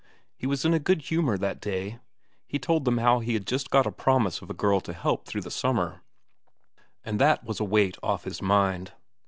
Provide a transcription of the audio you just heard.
He was in a good humour that day; he told them how he had just got a promise of a girl to help through the summer and that was a weight off his mind.